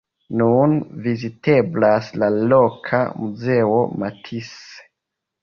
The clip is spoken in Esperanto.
Nun viziteblas la loka muzeo Matisse.